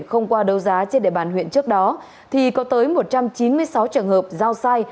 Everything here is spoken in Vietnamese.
không qua đấu giá trên địa bàn huyện trước đó thì có tới một trăm chín mươi sáu trường hợp giao sai